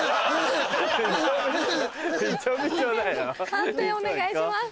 判定お願いします。